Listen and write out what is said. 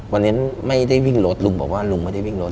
วันนั้นไม่ได้วิ่งรถลุงบอกว่าลุงไม่ได้วิ่งรถ